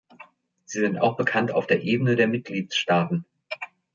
Sie sind auch bekannt auf der Ebene der Mitgliedstaaten.